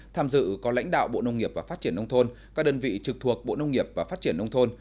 tham dự có lãnh đạo bộ nông nghiệp và phát triển nông thôn các đơn vị trực thuộc bộ nông nghiệp và phát triển nông thôn